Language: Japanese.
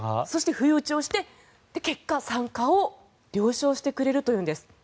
そして不意打ちをして結果、参加を了承してくれるというんです。